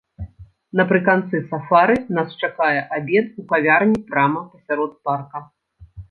Напрыканцы сафары нас чакае абед у кавярні прама пасярод парка.